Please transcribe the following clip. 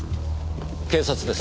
警察です。